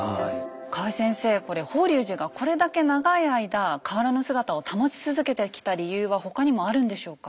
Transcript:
河合先生これ法隆寺がこれだけ長い間変わらぬ姿を保ち続けてきた理由は他にもあるんでしょうか？